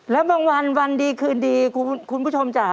แล้วบางวันวันดีคืนดีคุณผู้ชมจ๋า